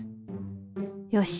よし！